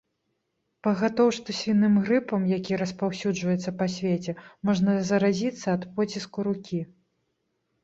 Пагатоў што свіным грыпам, які распаўсюджваецца па свеце, можна заразіцца ад поціску рукі.